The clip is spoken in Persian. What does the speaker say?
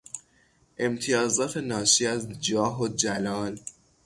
امتیازات ناشی از جاه و جلال